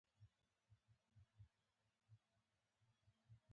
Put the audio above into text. د رښتینولۍ لار برکت لري.